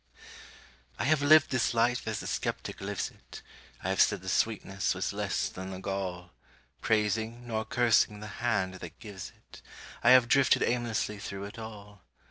I have lived this life as the skeptic lives it; I have said the sweetness was less than the gall; Praising, nor cursing, the Hand that gives it, I have drifted aimlessly through it all.